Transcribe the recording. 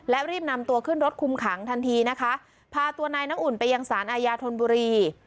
และรีบนำตัวขึ้นรถคุมขังทันทีนะคะพาตัวนายน้ำอุ่นไปยังสารอาญาธนบุรี